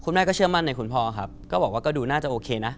แม่ก็เชื่อมั่นในคุณพ่อครับก็บอกว่าก็ดูน่าจะโอเคนะ